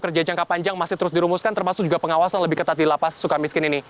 kerja jangka panjang masih terus dirumuskan termasuk juga pengawasan lebih ketat di lapas suka miskin ini